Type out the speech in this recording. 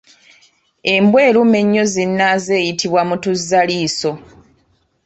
Embwa eruma ennyo zinnaazo eyitibwa Mutuzzaliiso.